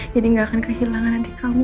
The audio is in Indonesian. jadi gak akan kehilangan nanti kamu